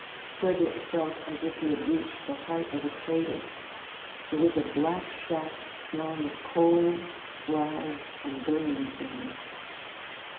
Frederick felt as if he had reached the heart of a crater. It was a black shaft smelling of coal, slag, and burning things.